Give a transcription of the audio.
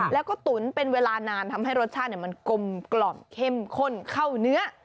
แล้วก็ตุ๋นเป็นเวลานานทำให้รสชาติมันกลมเข้มข้นเข้าเนื้อ